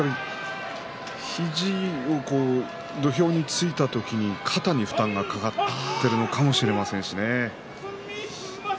肘が土俵についた時に肩に負担がかかっているのかもしれませんね。